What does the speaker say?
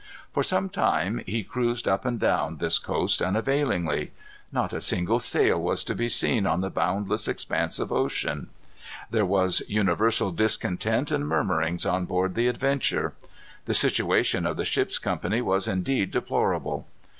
For some time he cruised up and down this coast unavailingly. Not a single sail was to be seen on the boundless expanse of ocean. There was universal discontent and murmurings on board the Adventure. The situation of the ship's company was indeed deplorable.